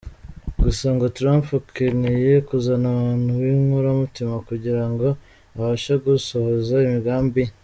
Gusa ngo Trump akeneye kuzana abantu b’inkoramutima kugira ngo abashe gusohoza imigambi ye.